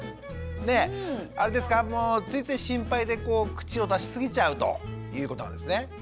ねっあれですかついつい心配で口を出しすぎちゃうということなんですね？